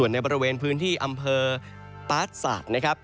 ในบริเวณพื้นที่อำเภอปาร์ดสาดนะครับ